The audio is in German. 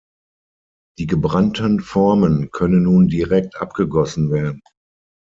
Die gebrannten Formen können nun direkt abgegossen werden.